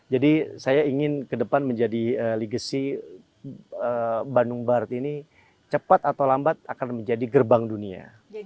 jadi saya ingin kedepan menjadi legacy bandung barat ini cepat atau lambat akan menjadi gerbang dunia